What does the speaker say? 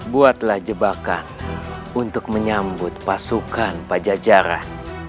buatlah jebakan untuk menyambut pasukan pajajaran